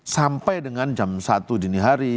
sampai dengan jam satu dini hari